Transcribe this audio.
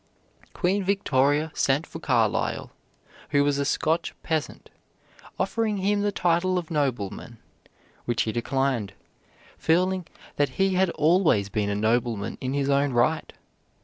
Queen Victoria sent for Carlyle, who was a Scotch peasant, offering him the title of nobleman, which he declined, feeling that he had always been a nobleman in his own right.